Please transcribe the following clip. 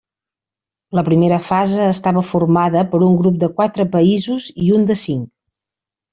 La primera fase estava formada per un grup de quatre països i un de cinc.